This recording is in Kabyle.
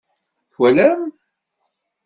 Twalam?